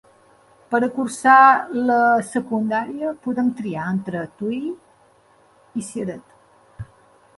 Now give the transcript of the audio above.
Per a cursar la secundària, poden triar entre Tuïr i Ceret.